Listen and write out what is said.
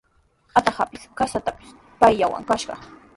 Atraqtrawpis, qasatrawpis payllawanmi kashaq.